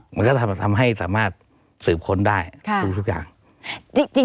มันก็จะทำให้สามารถสืบค้นได้ทุกอย่าง